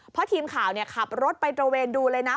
เพราะทีมข่าวขับรถไปตระเวนดูเลยนะ